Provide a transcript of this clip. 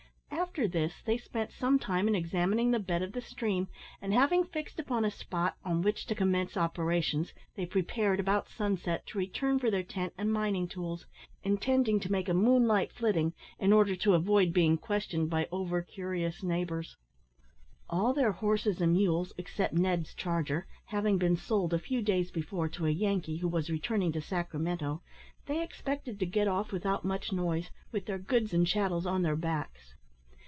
After this they spent some time in examining the bed of the stream, and having fixed upon a spot on which to commence operations, they prepared, about sunset, to return for their tent and mining tools, intending to make a moonlight flitting in order to avoid being questioned by over curious neighbours. All their horses and mules, except Ned's charger, having been sold a few days before to a Yankee who was returning to Sacramento, they expected to get off without much noise, with their goods and chattels on their backs.